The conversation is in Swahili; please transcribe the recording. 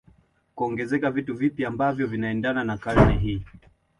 kuongeza vitu vipya ambavyo vinaendana na karne hii